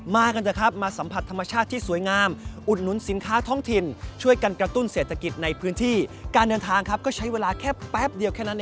มากันได้เลย